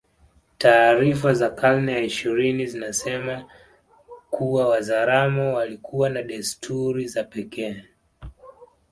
Taarifa za karne ya ishirini zinasema kuwa Wazaramo walikuwa na desturi za pekee